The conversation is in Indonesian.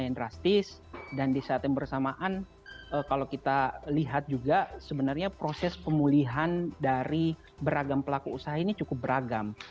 yang drastis dan di saat yang bersamaan kalau kita lihat juga sebenarnya proses pemulihan dari beragam pelaku usaha ini cukup beragam